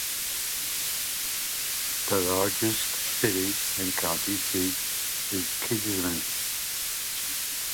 The largest city and county seat is Kingman.